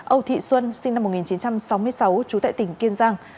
âu thị xuân sinh năm một nghìn chín trăm sáu mươi sáu trú tại tỉnh kiên giang